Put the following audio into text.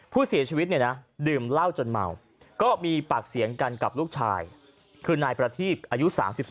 ผู้เสียชีวิตเนี่ยนะดื่มเหล้าจนเมาก็มีปากเสียงกันกับลูกชายคือนายประทีบอายุ๓๒